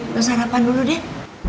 lo sarapan dulu deh